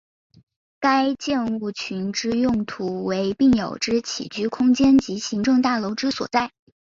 该建物群之用途为病友之起居空间及行政大楼之所在。